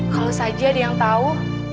kalau saja ada yang tahu